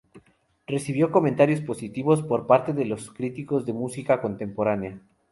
Recibió comentarios positivos por parte de los críticos de música contemporánea.